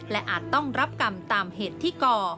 และอาจต้องรับกรรมตามเหตุที่ก่อ